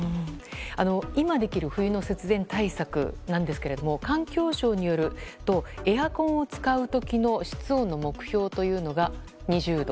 今できる冬の節電対策なんですが環境省によるとエアコンを使う時の室温の目標というのが２０度。